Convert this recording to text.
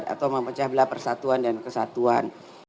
atau mempecah belah persatuan dan kesatuan